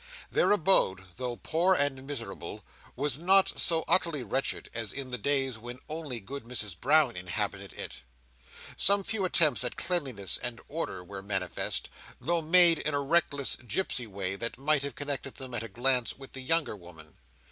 Their abode, though poor and miserable, was not so utterly wretched as in the days when only Good Mrs Brown inhabited it. Some few attempts at cleanliness and order were manifest, though made in a reckless, gipsy way, that might have connected them, at a glance, with the younger woman.